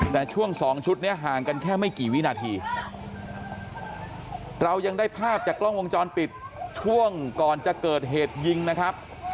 แต่ช่วงสองชุดนี้ห่างกันแค่ไม่กี่วินาทีเรายังได้ภาพจากกล้องวงจรปิดช่วงก่อนจะเกิดเหตุยิงนะครับ